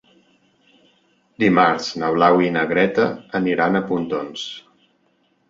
Dimarts na Blau i na Greta aniran a Pontons.